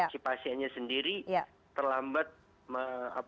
si pasiennya sendiri terlambat datang ke rumah sakit